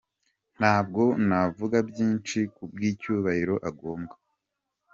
Nta bwo navuga byinshi ku bw’icyubahiro agombwa.